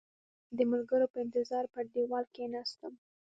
د ملګرو په انتظار پر دېوال کېناستم.